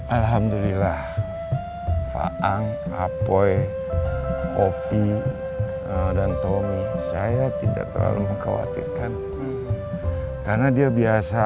alhamdulillah pak ang apoi opi dan tommy saya tidak terlalu mengkhawatirkan karena dia biasa